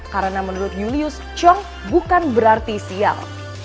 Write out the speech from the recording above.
karena menurut julius ciong bukan berarti sial